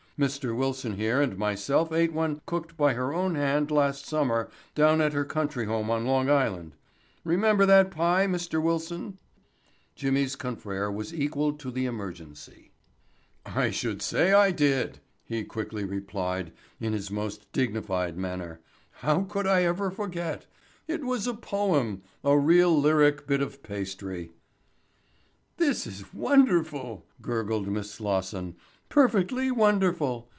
Mr. Wilson here and myself ate one cooked by her own hand last summer down at her country home on Long Island. Remember that pie, Mr. Wilson?" Jimmy's confrere was equal to the emergency. "I should say I did," he quickly replied in his most dignified manner. "How could I ever forget? It was a poem, a real lyric bit of pastry." "This is wonderful," gurgled Miss Slosson, "perfectly wonderful!